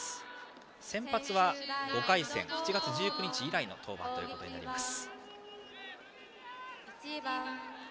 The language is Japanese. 先発は５回戦７月１９日以来の登板です。